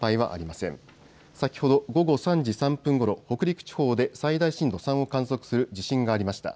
先ほど午後３時３分ごろ北陸地方で最大震度３を観測する地震がありました。